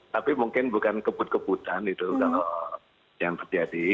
tapi mungkin bukan kebut kebutan itu kalau yang terjadi